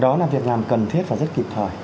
đó là việc làm cần thiết và rất kịp thời